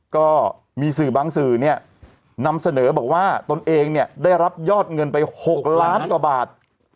ก็มีสื่อบางสื่อเนี่ยนำเสนอบอกว่าตนเองเนี่ยได้รับยอดเงินไป๖ล้านกว่าบาท